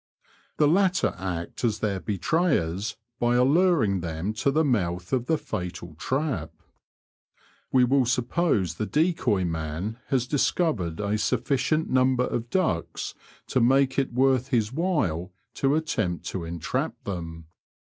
The latter act as their betrayers by alluring them to the mouth of the fatal trap* We will suppose the decoy man has discovered a sufficient number of ducks to make it worth his while to attempt to entrap them.